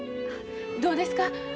どうですか？